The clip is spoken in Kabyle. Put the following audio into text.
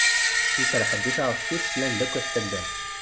Iserreḥ i taɣect-is slan-d akk At taddart.